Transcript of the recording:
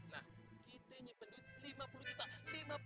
nah kita ini penduduk lima puluh juta